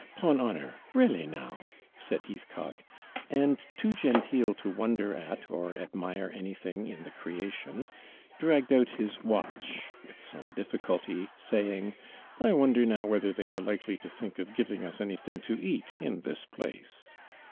'Eh! 'pon honour re'lly now!' said Heathcock; and, too genteel to wonder at or admire anything in the creation, dragged out his watch with some difficulty, saying, 'I wonder now whether they are likely to think of giving us anything to eat in this place?'